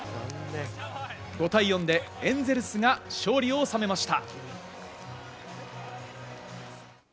５対４でエンゼルスが勝利を収めました。